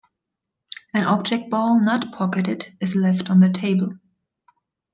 An object ball not pocketed is left on the table.